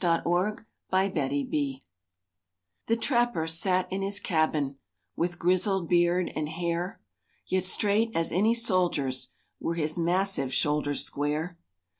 *THE TRAPPER'S STORY* The trapper sat in his cabin With grizzled beard and hair, Yet straight as any soldier's Were his massive shoulders square.